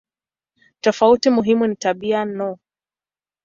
Tofauti muhimu ni tabia no.